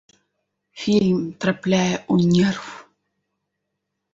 Фільм трапляе ў нерв.